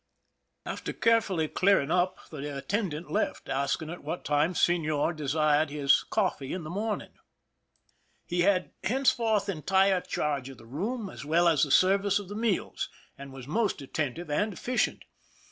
After carefully clearing up, the attendant left, asking at what time " seiior " desired his coffee in 234 PRISON LIFE THE SIEGE the morning. He had henceforth entire charge of the room, as well as the service of the meals, and was most attentive and efficient.